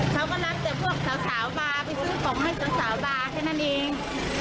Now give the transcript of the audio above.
เขาก็นัดแต่พวกสาวบาร์ไปซื้อของให้สาวบาแค่นั้นเอง